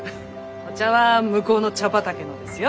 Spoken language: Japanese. お茶は向こうの茶畑のですよ。